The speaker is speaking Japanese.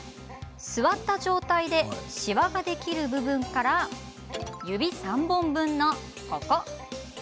座った状態で、しわができる部分から指３本分の、ここ。